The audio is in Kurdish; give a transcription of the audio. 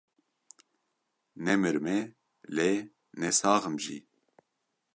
Nemirime, lê ne sax im jî.